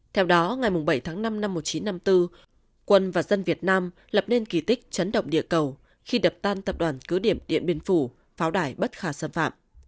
theo đó ngày bảy tháng năm năm một nghìn chín trăm năm mươi bốn quân và dân việt nam lập nên kỳ tích chấn động địa cầu khi đập tan tập đoàn cứ điểm điện biên phủ pháo đài bất khả xâm phạm